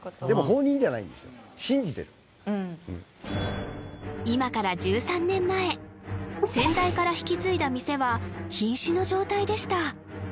でも今から１３年前先代から引き継いだ店はひん死の状態でした